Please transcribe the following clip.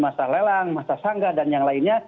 masalah lelang masalah sangga dan yang lainnya